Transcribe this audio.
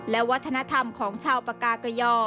และวัฒนธรรมของชาวปากากย่อ